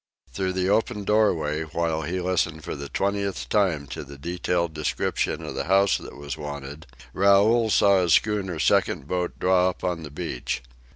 Through the open doorway, while he listened for the twentieth time to the detailed description of the house that was wanted, Raoul saw his schooner's second boat draw up on the beach.